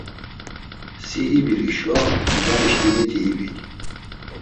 Si ibir hişo, Fidanişǩimiti ibiy.